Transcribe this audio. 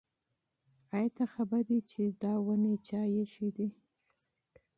ایا ته پوهېږې چې دا ونې چا کینولي دي؟